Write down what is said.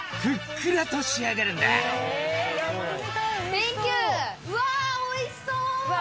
センキューうわおいしそう！